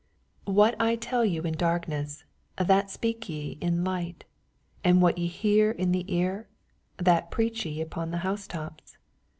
27 What I tell yon in darkness that epeak je in light: and what ye hear in the ear, that preach ye upon the housetops.